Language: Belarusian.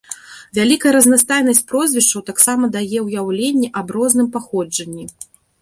Вялікая разнастайнасць прозвішчаў таксама дае ўяўленне аб розным паходжанні.